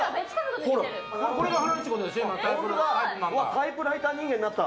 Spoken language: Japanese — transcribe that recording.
タイプライター人間になった！